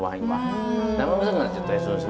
生臭くなっちゃったりするんです